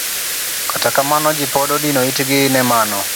Kata kamano ji pod odino itgi ne mano.